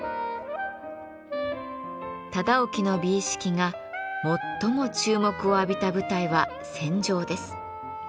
忠興の美意識が最も注目を浴びた舞台は戦場です。